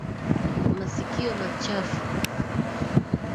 Masikio machafu.